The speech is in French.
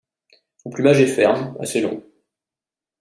Son plumage est ferme, assez long.